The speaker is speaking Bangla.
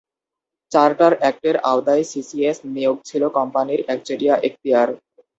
চার্টার অ্যাক্টের আওতায় সিসিএস নিয়োগ ছিল কোম্পানির একচেটিয়া এখতিয়ার।